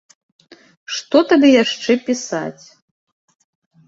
Што табе яшчэ пісаць?